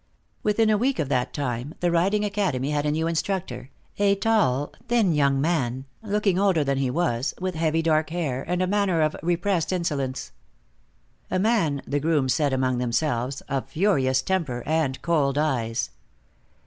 Within a week of that time the riding academy had a new instructor, a tall, thin young man, looking older than he was, with heavy dark hair and a manner of repressed insolence. A man, the grooms said among themselves, of furious temper and cold eyes.